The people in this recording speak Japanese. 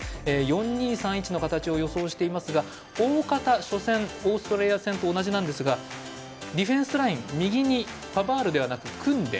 ４−２−３−１の形を予想していますが大方、初戦オーストラリア戦と同じなんですがディフェンスライン右にパバールではなくクンデ。